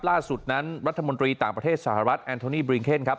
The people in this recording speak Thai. ล่าสุดนั้นรัฐมนตรีต่างประเทศสหรัฐแอนโทนี่บริงเคนครับ